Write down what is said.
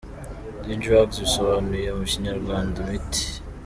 D : Drugs : bisobanuye mu Kinyarwanda “imiti”.